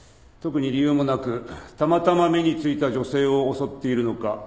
特に理由もなくたまたま目に付いた女性を襲っているのか